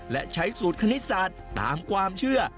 และใช้สูตรคณิตศาสตร์ตามความเชื่อ